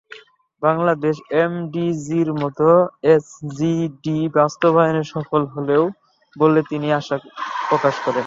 বাংলাদেশ এমডিজির মতো এসডিজি বাস্তবায়নেও সফল হবে বলে তিনি আশা প্রকাশ করেন।